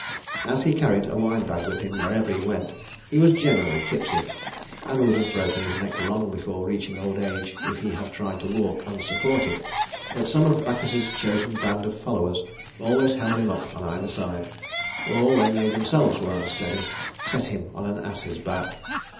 As he carried a wine bag with him wherever he went, he was generally tipsy, and would have broken his neck long before reaching old age if he had tried to walk unsupported; but some of Bacchus's chosen band of followers always held him up on either side; or, when they themselves were unsteady, set him on an ass's back.